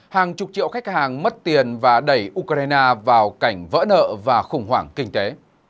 hàng chục triệu khách hàng mất tiền và đẩy ukraine vào cảnh vỡ nợ và khủng hoảng kinh tế